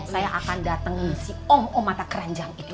saya akan datangin si om om mata kranjang itu